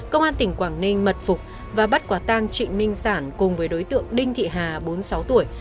công an tỉnh quảng ninh mật phục và bắt quả tang trịnh minh sản cùng với đối tượng đinh thị hà bốn mươi sáu tuổi